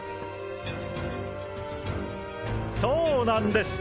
そうなんです！